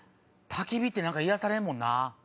たき火って癒やされるもんなぁ。